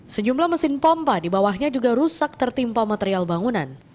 sejumlah mesin pompa di bawahnya juga rusak tertimpa material bangunan